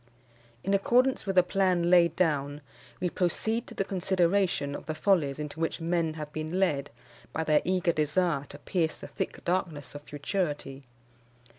In accordance with the plan laid down, we proceed to the consideration of the follies into which men have been led by their eager desire to pierce the thick darkness of futurity.